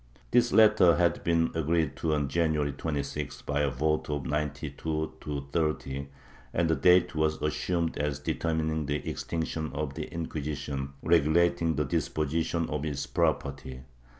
This latter had been agreed to on January 26th by a vote of 92 to 30, and that date was assumed as determining the extinction of the Inquisition, regu lating the disposition of its property.